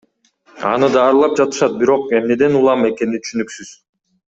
Аны даарылап жатышат, бирок эмнеден улам экени түшүнүксүз.